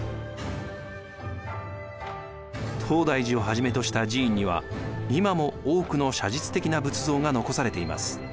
東大寺をはじめとした寺院には今も多くの写実的な仏像が残されています。